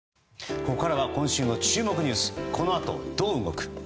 ここからは今週の注目ニュースこの後どう動く？